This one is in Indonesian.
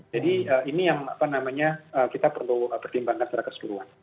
jadi ini yang kita perlu pertimbangkan secara keseluruhan